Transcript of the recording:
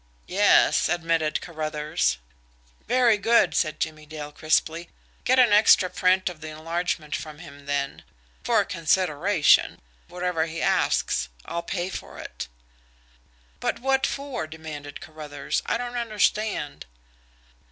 "Yes," admitted Carruthers. "Very good!" said Jimmie Dale crisply, "Get an extra print of the enlargement from him then for a consideration whatever he asks I'll pay for it." "But what for?" demanded Carruthers. "I don't understand."